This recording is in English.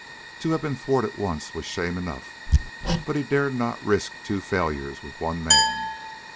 To have been thwarted once was shame enough, but he dared not risk two failures with one man.